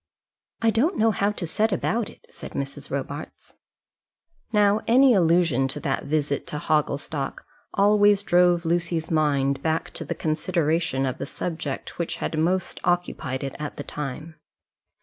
"I don't know how to set about it," said Mrs. Robarts. Now any allusion to that visit to Hogglestock always drove Lucy's mind back to the consideration of the subject which had most occupied it at the time.